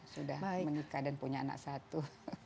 sudah menikah dan punya anak satu